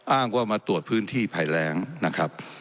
อ้างว่ามาตรวจพื้นที่ภัยแรงนะครับ